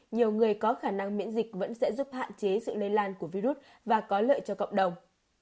nhiều người có khả năng miễn dịch vẫn sẽ giúp hạn chế sự lây lan của virus và có lợi cho cộng đồng